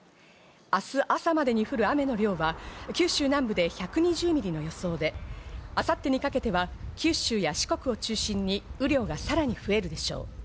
明日朝までに予想される雨の量は九州南部で１２０ミリの予想で、明後日にかけては九州や四国を中心に、雨量がさらに増えるでしょう。